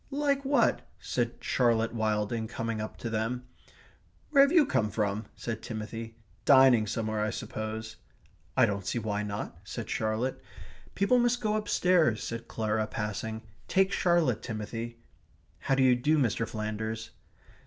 "Like what?" said Charlotte Wilding, coming up to them. "Where have you come from?" said Timothy. "Dining somewhere, I suppose." "I don't see why not," said Charlotte. "People must go downstairs," said Clara, passing. "Take Charlotte, Timothy. How d'you do, Mr. Flanders."